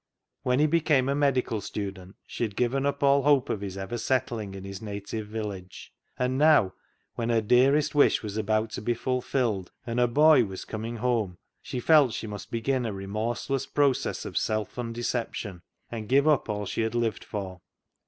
When he became a medical student she had given up all hope of his ever settling in his native village, and now, when her dearest wish was about to be fulfilled, and her boy was coming home, she felt she must begin a remorseless process of self undeception and give up all she had lived for.